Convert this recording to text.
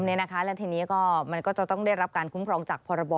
แล้วทีนี้ก็มันจะต้องได้รับการภูมิคลองจากพรบ